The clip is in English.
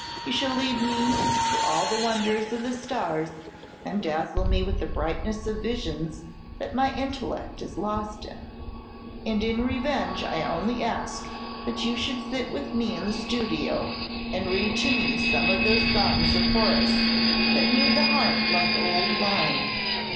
You shall lead me to all the wonders of the stars, and dazzle me with the brightness of visions that my intellect is lost in; and in revenge I only ask that you should sit with me in the studio, and read to me some of those songs of Horace that move the heart like old wine.